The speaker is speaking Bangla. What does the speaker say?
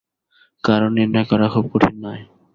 কারণ নির্ণয় করা খুব কঠিন নয়।